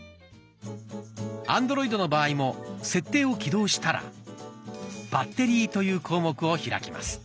アンドロイドの場合も「設定」を起動したら「バッテリー」という項目を開きます。